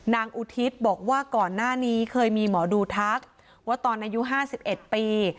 อุทิศบอกว่าก่อนหน้านี้เคยมีหมอดูทักว่าตอนอายุ๕๑ปี